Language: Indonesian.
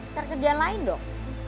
cari kerjaan lain dong